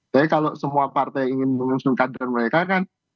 tapi kalau semua partai ingin mengusung kader mereka kan